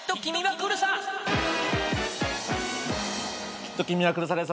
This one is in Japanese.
きっと君はくるさです。